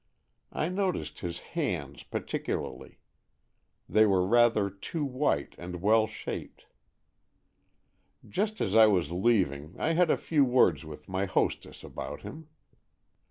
I noticed his hands particularly; they were rather too white and well shaped. just as I was leaving I had a few words with my hostess about him.